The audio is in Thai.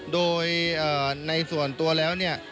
โดยในส่วนตัวแล้ว